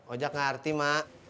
ojak ngerti mbak